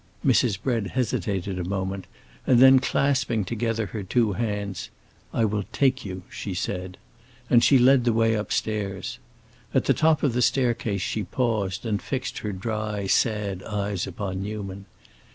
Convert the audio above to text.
Mrs. Bread hesitated a moment, and then clasping together her two hands, "I will take you!" she said. And she led the way upstairs. At the top of the staircase she paused and fixed her dry, sad eyes upon Newman.